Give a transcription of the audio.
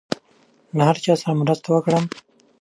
له هر چا سره مرسته وکړم.